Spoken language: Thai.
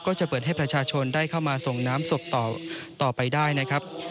ก็จะเปิดให้ประชาชนได้เข้ามาส่งน้ำศพต่อไปได้นะครับ